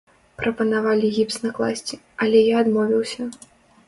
Прапанавалі гіпс накласці, але я адмовіўся.